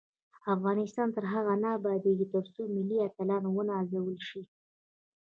افغانستان تر هغو نه ابادیږي، ترڅو ملي اتلان ونازل شي.